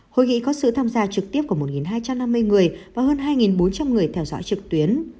hội nghị có sự tham gia trực tiếp của một hai trăm năm mươi người và hơn hai bốn trăm linh người theo dõi trực tuyến